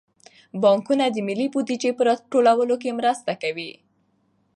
بانکونه د ملي بودیجې په راټولولو کې مرسته کوي.